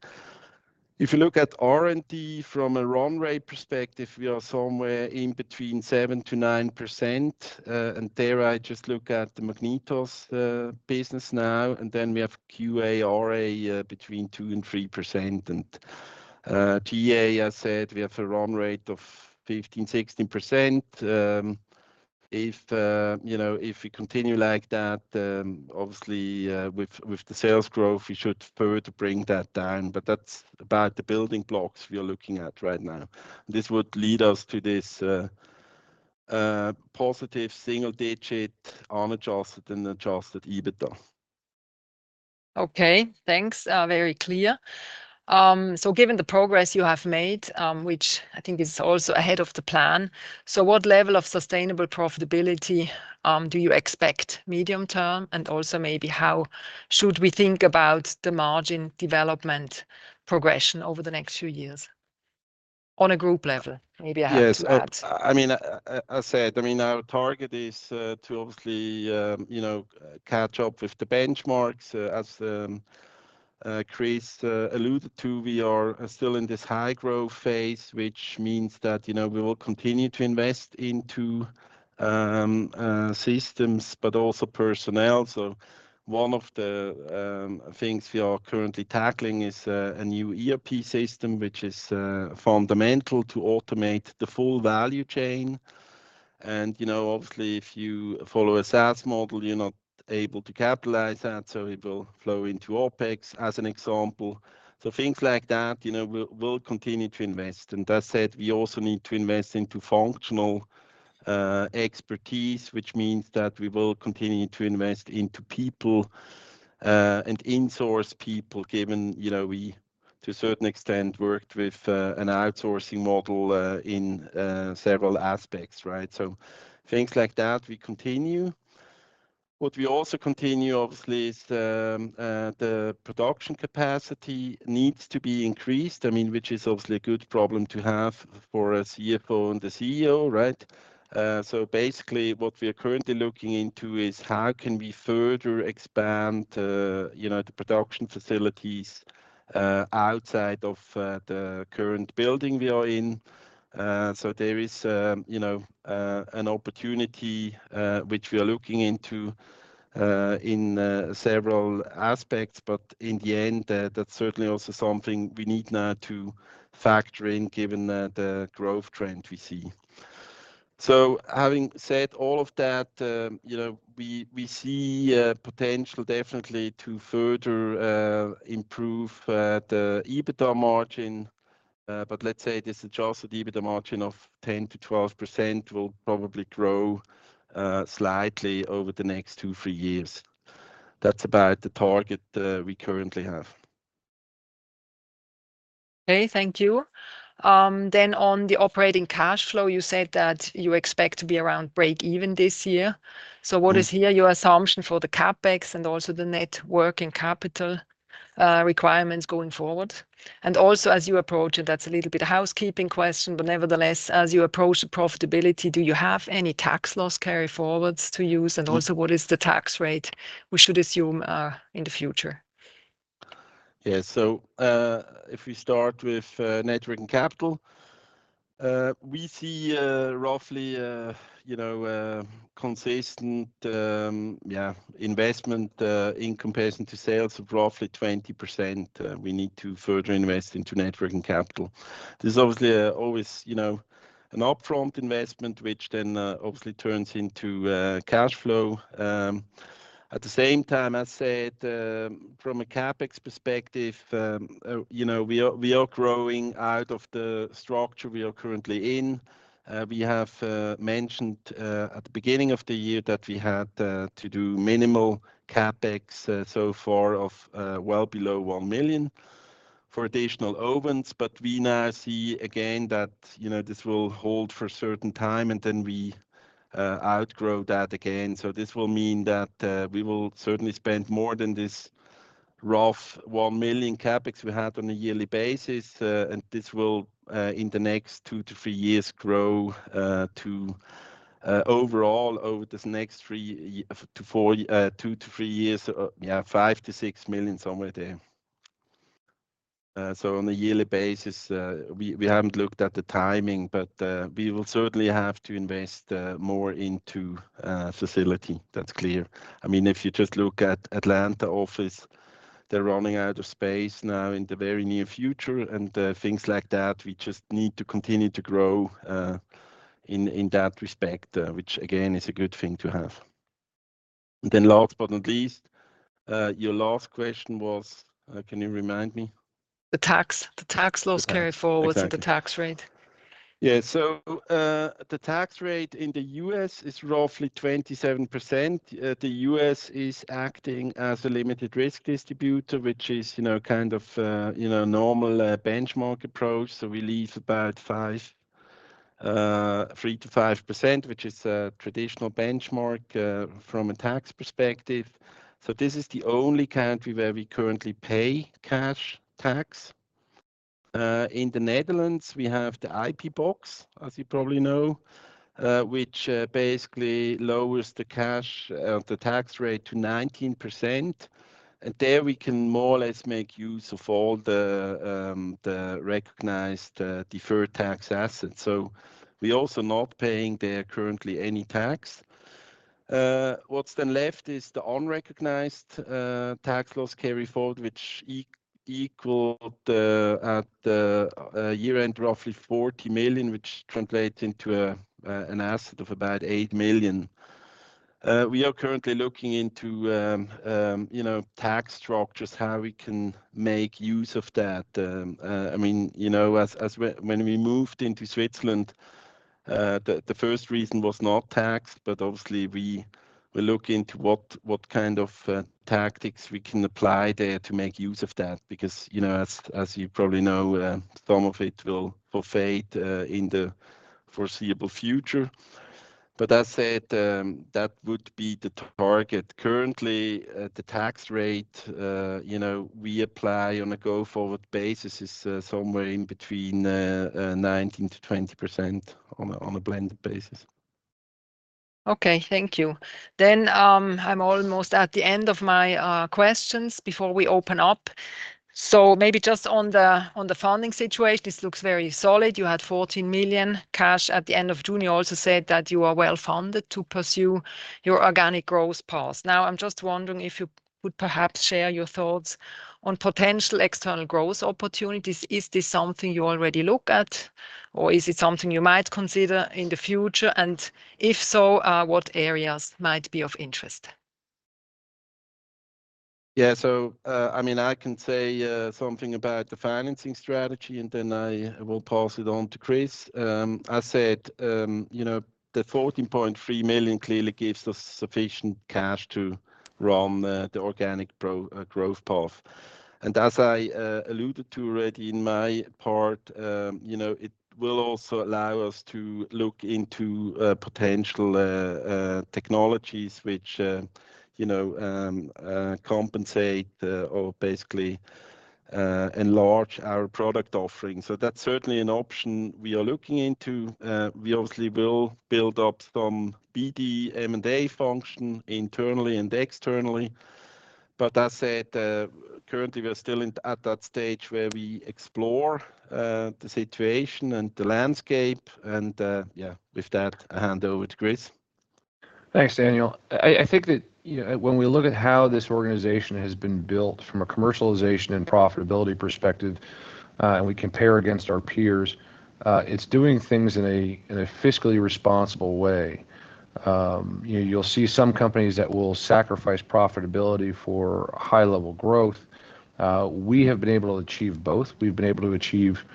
If you look at R&D from a run rate perspective, we are somewhere in between 7%-9%. And there I just look at the MagnetOs, business now, and then we have QA, RA, between 2%-3%. G&A, I said, we have a run rate of 15%-16%. If you know, if we continue like that, obviously, with the sales growth, we should further bring that down, but that's about the building blocks we are looking at right now. This would lead us to this positive single-digit unadjusted and adjusted EBITDA. Okay, thanks. Very clear. So given the progress you have made, which I think is also ahead of the plan, so what level of sustainable profitability do you expect medium term? And also maybe how should we think about the margin development progression over the next few years? On a group level, maybe I have to add. Yes. I mean, our target is to obviously, you know, catch up with the benchmarks. As Chris alluded to, we are still in this high-growth phase, which means that, you know, we will continue to invest into systems, but also personnel. So one of the things we are currently tackling is a new ERP system, which is fundamental to automate the full value chain. And, you know, obviously, if you follow a SaaS model, you're not able to capitalize that, so it will flow into OpEx, as an example. So things like that, you know, we'll continue to invest. And that said, we also need to invest into functional expertise, which means that we will continue to invest into people and insource people, given, you know, we, to a certain extent, worked with an outsourcing model in several aspects, right? So things like that, we continue. What we also continue, obviously, is the production capacity needs to be increased, I mean, which is obviously a good problem to have for a CFO and a CEO, right? So basically, what we are currently looking into is, how can we further expand, you know, the production facilities outside of the current building we are in. So there is, you know, an opportunity, which we are looking into, in several aspects, but in the end, that's certainly also something we need now to factor in, given the growth trend we see. So having said all of that, you know, we see potential definitely to further improve the EBITDA margin. But let's say this adjusted EBITDA margin of 10%-12% will probably grow slightly over the next two, three years. That's about the target we currently have. Okay, thank you. Then on the operating cash flow, you said that you expect to be around break-even this year. Mm-hmm. So what is here your assumption for the CapEx and also the net working capital, requirements going forward? And also, as you approach it, that's a little bit of housekeeping question, but nevertheless, as you approach the profitability, do you have any tax loss carryforwards to use? Mm-hmm. And also, what is the tax rate we should assume in the future? So, if we start with net working capital, we see roughly, you know, consistent investment in comparison to sales of roughly 20%. We need to further invest into net working capital. This is obviously always, you know, an upfront investment, which then obviously turns into cash flow. At the same time, I said from a CapEx perspective, you know, we are, we are growing out of the structure we are currently in. We have mentioned at the beginning of the year that we had to do minimal CapEx so far of well below 1 million for additional ovens. But we now see again that, you know, this will hold for a certain time, and then we outgrow that again. So this will mean that, we will certainly spend more than this rough 1 million CapEx we had on a yearly basis. And this will, in the next 2-3 years, grow, to, overall, over this next three y- to four, 2-3 years, yeah, 5-6 million, somewhere there. So on a yearly basis, we, we haven't looked at the timing, but, we will certainly have to invest, more into, facility. That's clear. I mean, if you just look at Atlanta office, they're running out of space now in the very near future, and, things like that, we just need to continue to grow, in, in that respect, which again, is a good thing to have. Then last but not least, your last question was, can you remind me? The tax loss carryforward- Exactly. -and the tax rate. Yeah. So, the tax rate in the U.S. is roughly 27%. The U.S. is acting as a limited risk distributor, which is, you know, kind of, you know, normal, benchmark approach. So we leave about five, three to five percent, which is a traditional benchmark, from a tax perspective. So this is the only country where we currently pay cash tax. In the Netherlands, we have the IP box, as you probably know, which, basically lowers the cash, the tax rate to 19%. And there we can more or less make use of all the, the recognized, deferred tax assets. So we also not paying there currently any tax. What's then left is the unrecognized tax loss carry forward, which equaled at the year-end roughly 40 million, which translates into an asset of about 8 million. We are currently looking into you know tax structures, how we can make use of that. I mean, you know, as when we moved into Switzerland, the first reason was not tax, but obviously we look into what kind of tactics we can apply there to make use of that. Because you know as you probably know some of it will forfeit in the foreseeable future. But that said, that would be the target. Currently, the tax rate, you know, we apply on a go-forward basis is somewhere in between 19%-20% on a blended basis. Okay, thank you. Then, I'm almost at the end of my questions before we open up. So maybe just on the funding situation, this looks very solid. You had 14 million cash at the end of June. You also said that you are well-funded to pursue your organic growth path. Now, I'm just wondering if you would perhaps share your thoughts on potential external growth opportunities. Is this something you already look at, or is it something you might consider in the future? And if so, what areas might be of interest? Yeah. So, I mean, I can say something about the financing strategy, and then I will pass it on to Chris. I said, you know, the 14.3 million clearly gives us sufficient cash to run the organic growth path. And as I alluded to already in my part, you know, it will also allow us to look into potential technologies which, you know, compensate or basically enlarge our product offering. So that's certainly an option we are looking into. We obviously will build up some BD M&A function internally and externally. But that said, currently, we are still in at that stage where we explore the situation and the landscape and... Yeah, with that, I hand over to Chris. Thanks, Daniel. I think that, you know, when we look at how this organization has been built from a commercialization and profitability perspective, and we compare against our peers, it's doing things in a fiscally responsible way. You know, you'll see some companies that will sacrifice profitability for high-level growth. We have been able to achieve both. We've been able to achieve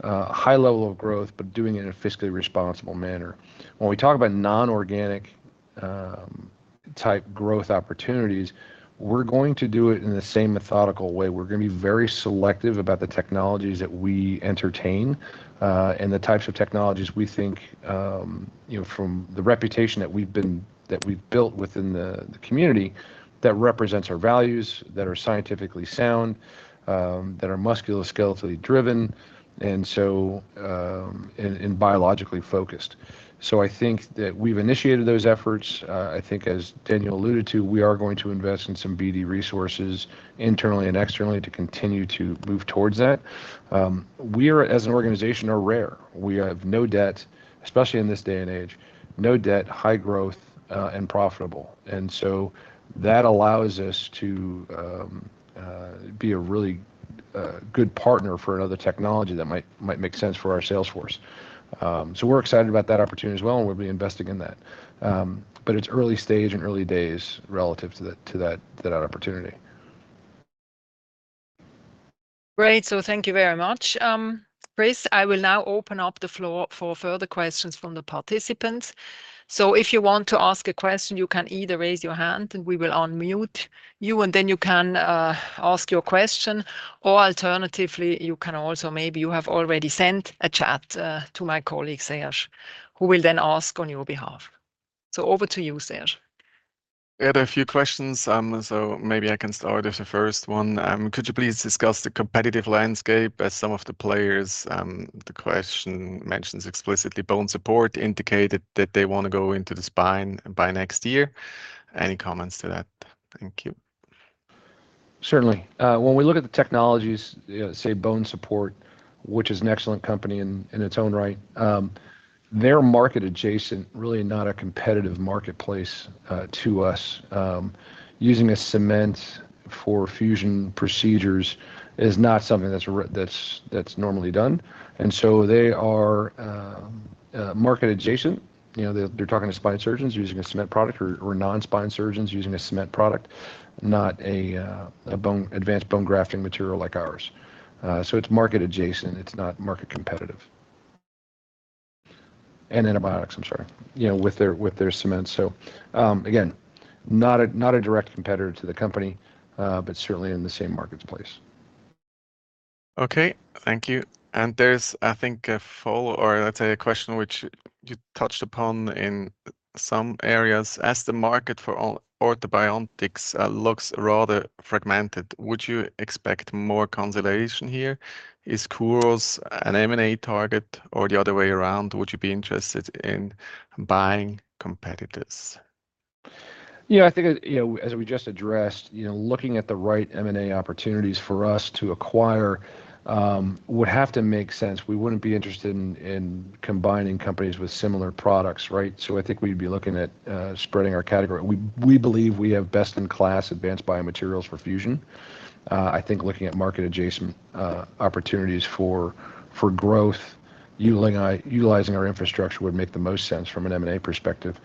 a high level of growth, but doing it in a fiscally responsible manner. When we talk about non-organic type growth opportunities, we're going to do it in the same methodical way. We're gonna be very selective about the technologies that we entertain, and the types of technologies we think, you know, from the reputation that we've built within the community, that represents our values, that are scientifically sound, that are musculoskeletal driven, and so, and biologically focused. So I think that we've initiated those efforts. I think as Daniel alluded to, we are going to invest in some BD resources internally and externally to continue to move towards that. We are, as an organization, rare. We have no debt, especially in this day and age, no debt, high growth, and profitable. And so that allows us to be a really good partner for another technology that might make sense for our sales force. So we're excited about that opportunity as well, and we'll be investing in that. But it's early stage and early days relative to that opportunity. Great. So thank you very much, Chris. I will now open up the floor for further questions from the participants. So if you want to ask a question, you can either raise your hand and we will unmute you, and then you can ask your question. Or alternatively, you can also maybe you have already sent a chat to my colleague, Serge, who will then ask on your behalf. So over to you, Serge. We had a few questions, so maybe I can start with the first one. Could you please discuss the competitive landscape as some of the players, the question mentions explicitly, BONESUPPORT indicated that they want to go into the spine by next year. Any comments to that? Thank you. Certainly. When we look at the technologies, say, BONESUPPORT, which is an excellent company in its own right, they're market adjacent, really not a competitive marketplace to us... using a cement for fusion procedures is not something that's normally done, and so they are market adjacent. You know, they, they're talking to spine surgeons using a cement product or non-spine surgeons using a cement product, not an advanced bone grafting material like ours. So it's market adjacent, it's not market competitive. And antibiotics, I'm sorry, you know, with their cement. So, again, not a direct competitor to the company, but certainly in the same marketplace. Okay, thank you. There's, I think, a follow, or let's say, a question which you touched upon in some areas. As the market for all-orthobiologics looks rather fragmented, would you expect more consolidation here? Is Kuros an M&A target, or the other way around, would you be interested in buying competitors? Yeah, I think, you know, as we just addressed, you know, looking at the right M&A opportunities for us to acquire would have to make sense. We wouldn't be interested in combining companies with similar products, right? So I think we'd be looking at spreading our category. We believe we have best-in-class advanced biomaterials for fusion. I think looking at market adjacent opportunities for growth, utilizing our infrastructure would make the most sense from an M&A perspective.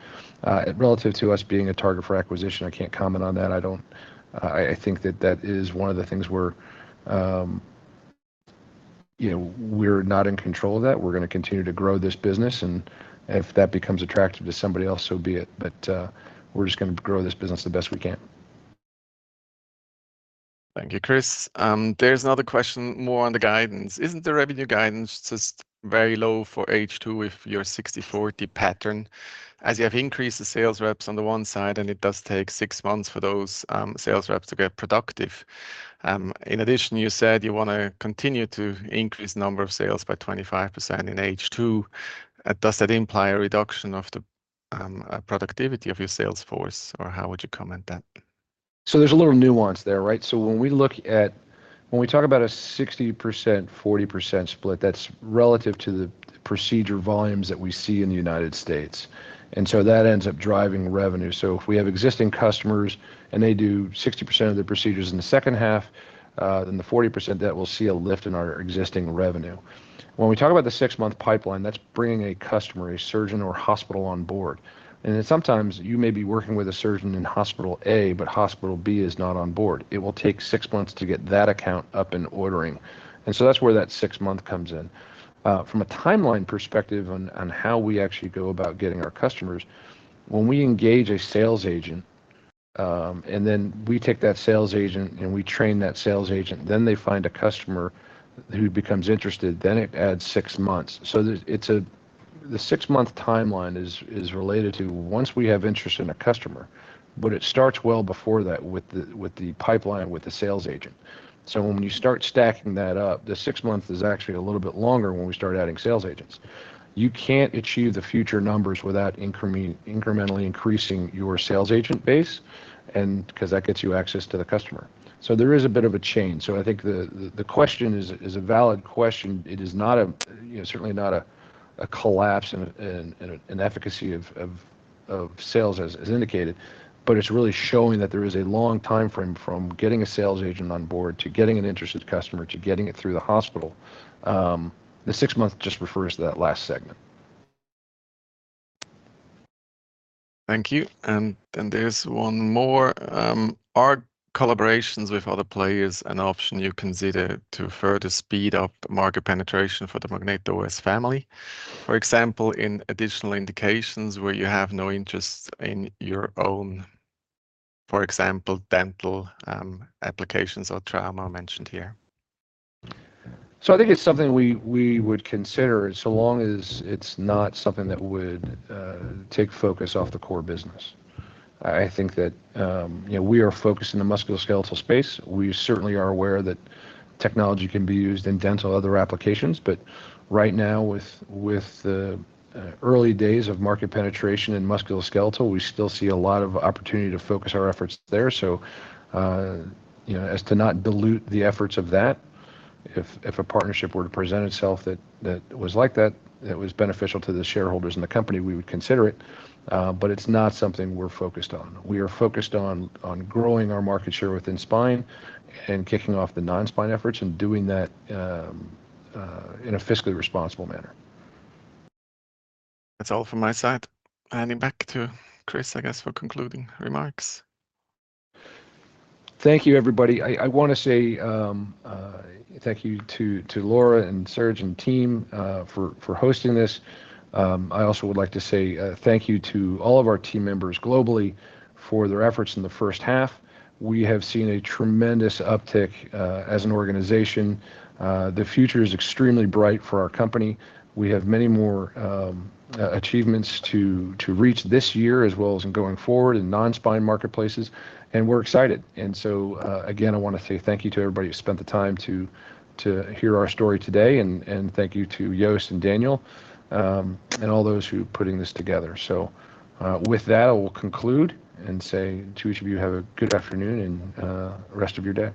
Relative to us being a target for acquisition, I can't comment on that. I don't... I think that that is one of the things where, you know, we're not in control of that. We're gonna continue to grow this business, and if that becomes attractive to somebody else, so be it, but we're just gonna grow this business the best we can. Thank you, Chris. There's another question, more on the guidance. Isn't the revenue guidance just very low for H2 with your 60/40 pattern, as you have increased the sales reps on the one side, and it does take six months for those sales reps to get productive? In addition, you said you wanna continue to increase number of sales by 25% in H2. Does that imply a reduction of the productivity of your sales force, or how would you comment that? So there's a little nuance there, right? So when we talk about a 60%-40% split, that's relative to the procedure volumes that we see in the United States, and so that ends up driving revenue. So if we have existing customers, and they do 60% of the procedures in the second half, then the 40%, that will see a lift in our existing revenue. When we talk about the 6-month pipeline, that's bringing a customer, a surgeon, or hospital on board, and then sometimes you may be working with a surgeon in hospital A, but hospital B is not on board. It will take 6 months to get that account up and ordering, and so that's where that 6 months comes in. From a timeline perspective on how we actually go about getting our customers, when we engage a sales agent, and then we take that sales agent and we train that sales agent, then they find a customer who becomes interested, then it adds 6 months. So there's a 6-month timeline that is related to once we have interest in a customer, but it starts well before that with the pipeline, with the sales agent. So when you start stacking that up, the 6 months is actually a little bit longer when we start adding sales agents. You can't achieve the future numbers without incrementally increasing your sales agent base, and 'cause that gets you access to the customer. So there is a bit of a change. So I think the question is a valid question. It is not a, you know, certainly not a collapse in efficacy of sales as indicated, but it's really showing that there is a long timeframe from getting a sales agent on board, to getting an interested customer, to getting it through the hospital. The six months just refers to that last segment. Thank you. And there's one more. Are collaborations with other players an option you consider to further speed up the market penetration for the MagnetOs family? For example, in additional indications where you have no interest in your own, for example, dental, applications or trauma mentioned here. So I think it's something we would consider, so long as it's not something that would take focus off the core business. I think that, you know, we are focused in the musculoskeletal space. We certainly are aware that technology can be used in dental, other applications, but right now, with the early days of market penetration in musculoskeletal, we still see a lot of opportunity to focus our efforts there. So, you know, as to not dilute the efforts of that, if a partnership were to present itself that was beneficial to the shareholders and the company, we would consider it, but it's not something we're focused on. We are focused on growing our market share within spine and kicking off the non-spine efforts and doing that in a fiscally responsible manner. That's all from my side. Handing back to Chris, I guess, for concluding remarks. Thank you, everybody. I wanna say thank you to Laura and Serge and team for hosting this. I also would like to say thank you to all of our team members globally for their efforts in the first half. We have seen a tremendous uptick as an organization. The future is extremely bright for our company. We have many more achievements to reach this year, as well as in going forward in non-spine marketplaces, and we're excited. And so, again, I wanna say thank you to everybody who spent the time to hear our story today, and thank you to Joost and Daniel, and all those who are putting this together. With that, I will conclude and say to each of you, have a good afternoon and rest of your day.